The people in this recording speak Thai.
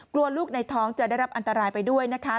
กลัวลูกในท้องจะได้รับอันตรายไปด้วยนะคะ